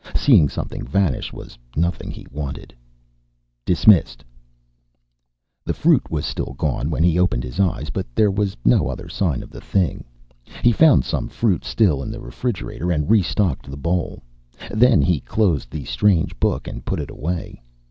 Seeing something vanish was nothing he wanted. "Dismissed." The fruit was still gone when he opened his eyes, but there was no other sign of the thing. He found some fruit still in the refrigerator and restocked the bowl. Then he closed the strange book and put it away.